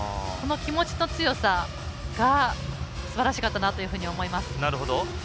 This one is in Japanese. この気持ちと強さがすばらしかったなと思います。